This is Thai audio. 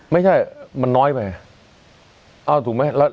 ไม่ใช่มันน้อยไปเอ้าถูกมั้ยลำ